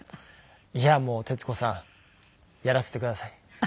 いやもう徹子さんやらせてください。